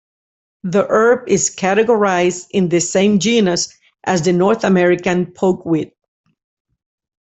The herb is categorized in the same genus as the North American pokeweed.